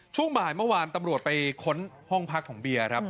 ช่วงบ่ายเมื่อวานตำรวจไปค้นห้องพักของเบียร์ครับ